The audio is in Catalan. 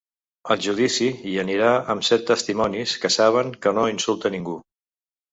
Al judici hi anirà amb set testimonis que saben que no insulta ningú.